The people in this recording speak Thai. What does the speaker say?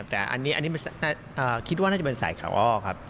แต่อันนี้คิดว่าน่าจะเป็นสายขาอ้อครับ